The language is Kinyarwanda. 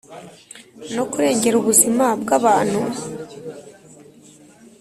no kurengera ubuzima bw’abantu.